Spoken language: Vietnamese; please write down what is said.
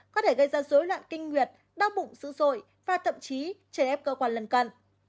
có thể gây ra dối loạn kinh nguyệt đau bụng dữ dội và thậm chí chèn ép cơ quan lần cận